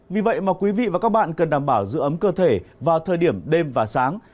vì vậy mà quý vị và các bạn cần đảm bảo giữ ấm cơ thể vào thời điểm đêm và sáng